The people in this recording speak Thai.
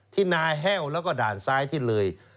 ที่นายแห้วแล้วก็ด่านซ้ายที่เลย